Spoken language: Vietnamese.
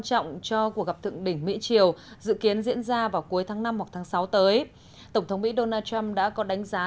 tổng thống mỹ donald trump đã đánh giá